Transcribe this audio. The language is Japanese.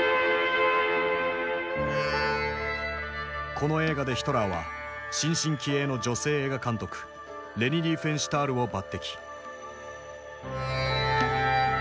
この映画でヒトラーは新進気鋭の女性映画監督レニ・リーフェンシュタールを抜擢。